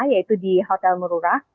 yaitu di hotel mororah